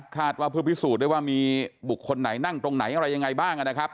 ว่าเพื่อพิสูจน์ได้ว่ามีบุคคลไหนนั่งตรงไหนอะไรยังไงบ้างนะครับ